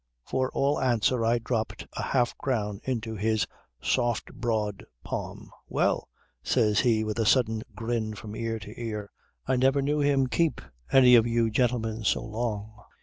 For all answer I dropped a half crown into his soft broad palm. "Well," says he with a sudden grin from ear to ear, "I never knew him keep any of you gentlemen so long.